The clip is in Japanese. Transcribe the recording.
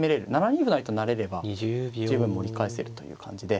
７二歩成と成れれば十分盛り返せるという感じで。